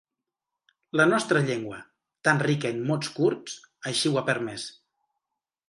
La nostra llengua, tan rica en mots curts, així ho ha permès.